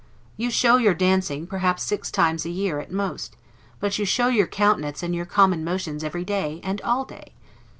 You show your dancing, perhaps six times a year, at most; but you show your countenance and your common motions every day, and all day.